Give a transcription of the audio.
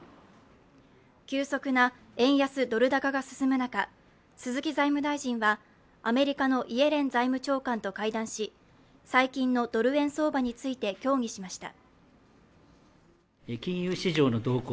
急速な円安ドル高が進む中鈴木財務大臣はアメリカのイエレン財務長官と会談し、最近のドル円相場について協議しました。